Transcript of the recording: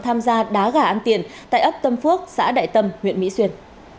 tham gia đá gà ăn tiền tại ấp tâm phước xã đại tâm huyện mỹ xuyên